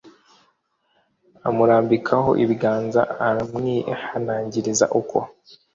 amurambikaho ibiganza aramwihanangiriza uko